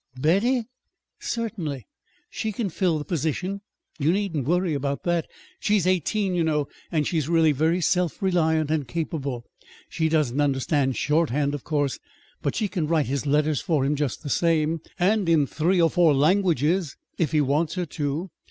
"Betty!" "Certainly. She can fill the position you needn't worry about that. She's eighteen, you know, and she's really very self reliant and capable. She doesn't understand shorthand, of course; but she can write his letters for him, just the same, and in three or four languages, if he wants her to.